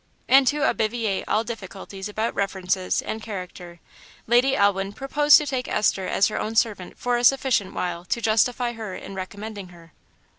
And to obviate all difficulties about references and character, Lady Elwin proposed to take Esther as her own servant for a sufficient while to justify her in recommending her.